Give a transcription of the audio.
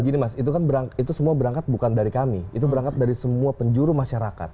gini mas itu kan berangkat itu semua berangkat bukan dari kami itu berangkat dari semua penjuru masyarakat